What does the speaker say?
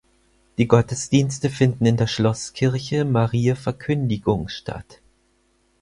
Die Gottesdienste finden in der Schlosskirche Mariä Verkündigung statt.